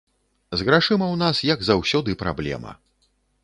З грашыма ў нас, як заўсёды, праблема.